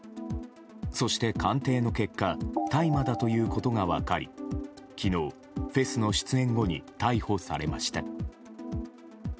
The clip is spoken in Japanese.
そして鑑定の結果大麻だということが分かり昨日、フェスの出演後に逮捕されました。